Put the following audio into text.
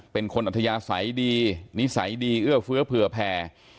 อัธยาศัยดีนิสัยดีเอื้อเฟื้อเผื่อแผ่